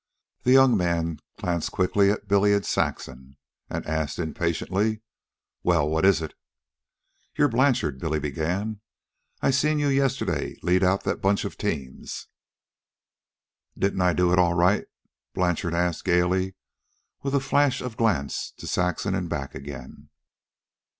The young man glanced quickly at Billy and Saxon, and asked impatiently: "Well, what is it?" "You're Blanchard," Billy began. "I seen you yesterday lead out that bunch of teams." "Didn't I do it all right?" Blanchard asked gaily, with a flash of glance to Saxon and back again.